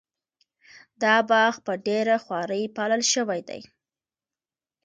دا باغ په ډېره خواري پالل شوی دی.